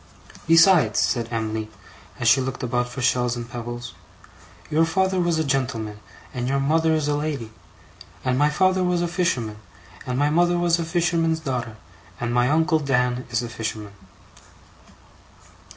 'Besides,' said Em'ly, as she looked about for shells and pebbles, 'your father was a gentleman and your mother is a lady; and my father was a fisherman and my mother was a fisherman's daughter, and my uncle Dan is a fisherman.